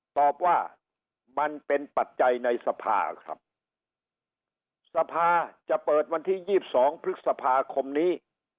ตอบว่ามันเป็นปัจจัยในสภาครับสภาจะเปิดวันที่๒๒พฤษภาคมนี้